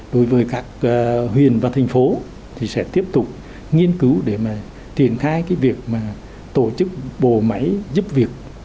đối với các huyện và thành phố thì sẽ tiếp tục nghiên cứu để mà triển khai cái việc mà tổ chức bộ máy giúp việc